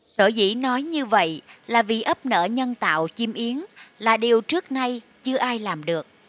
sở dĩ nói như vậy là vì ấp nợ nhân tạo chim yến là điều trước nay chưa ai làm được